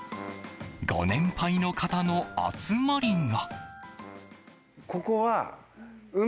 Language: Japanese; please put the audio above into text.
ご年配の方の集まりが。